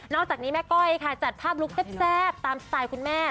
อกจากนี้แม่ก้อยค่ะจัดภาพลุคแซ่บตามสไตล์คุณแม่